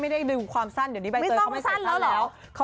ไม่ได้ดึกความสั้นเดี๋ยวนี้ใบเตยไม่ต้องไม่ความสั้นแล้วหรอ